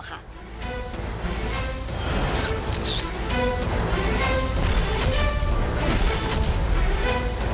ต่อกันต่อค่ะ